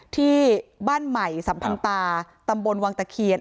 ที่บ้านใหม่สัมพันตาตำบลวังตะเคียน